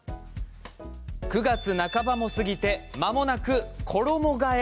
９月半ばも過ぎてまもなく衣がえ。